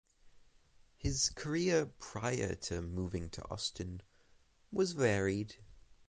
His career prior to moving to Austin was varied.